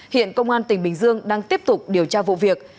hiện công an tỉnh bình dương đang tiếp tục điều tra vụ việc